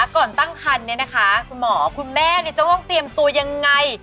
คุณหมอคุณแม่เนี่ยจะต้องเตรียมตัวยังไง